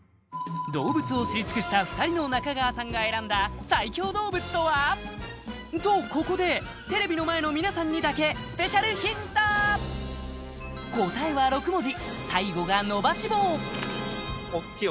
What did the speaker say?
動物を知り尽くした２人の中川さんが選んだ最強動物とは？とここでテレビの前の皆さんにだけスペシャルヒント答えは６文字